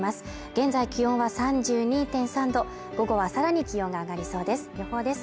現在気温は３２．３度午後はさらに気温が上がりそうです予報です